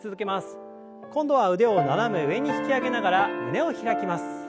今度は腕を斜め上に引き上げながら胸を開きます。